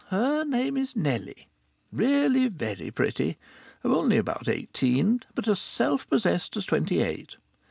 Her name is Nellie. Really very pretty. Only about eighteen, but as self possessed as twenty eight.